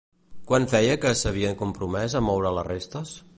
Quan feia ja que s'havien compromès a moure les restes?